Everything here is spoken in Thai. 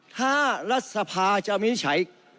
ถ้ารัฐสภาจะวินิจฉัย